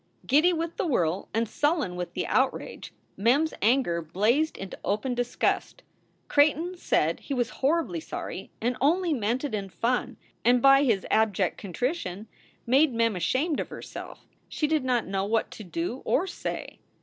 Giddy with the whirl and sullen with the outrage, Mem s anger blazed into open disgust. Creighton said he was hor ribly sorry and only meant it in fun, and by his abject contrition made Mem ashamed of herself. She did not know what to do or say.